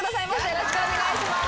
よろしくお願いします。